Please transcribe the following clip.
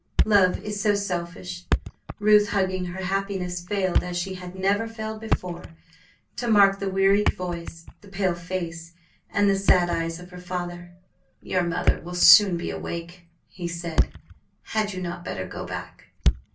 Love is so selfish. Ruth, hugging her happiness, failed, as she had never failed before, to mark the wearied voice, the pale face, and the sad eyes of her father. "Your mother will soon be awake," he said; "had you not better go back?"